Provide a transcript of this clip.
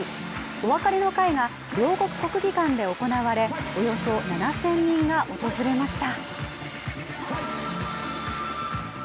お別れの会が、両国国技館で行われおよそ７０００人が訪れました。